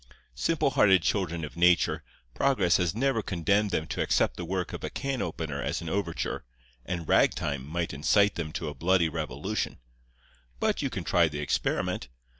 Simple hearted children of nature, progress has never condemned them to accept the work of a can opener as an overture, and rag time might incite them to a bloody revolution. But you can try the experiment.